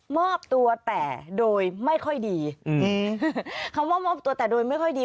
มอบตัวแต่โดยไม่ค่อยดีอืมคำว่ามอบตัวแต่โดยไม่ค่อยดี